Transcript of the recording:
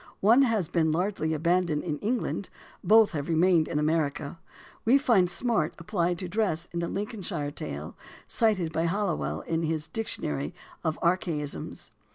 One has been largely abandoned in England, both have remained in America. We find "smart" applied to dress in a Lincolnshire Tale, cited by Halliwell in his Dictionary of Archaisms.